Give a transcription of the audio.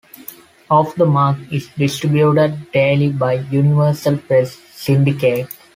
"Off The Mark" is distributed daily by Universal Press Syndicate.